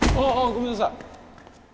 ごめんなさい。